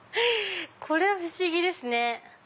こりゃ不思議ですね。